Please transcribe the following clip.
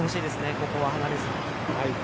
ここは離れず。